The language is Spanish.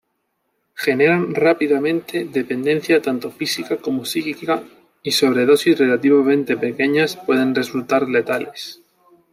Generan rápidamente dependencia tanto física como psíquica y sobredosis relativamente pequeñas pueden resultar letales.